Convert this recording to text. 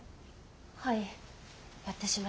はいやってしまいました。